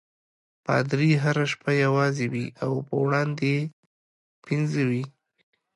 پادري هره شپه یوازې وي او په وړاندې یې پنځه وي.